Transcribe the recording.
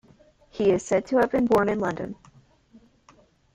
He is said to have been born in London.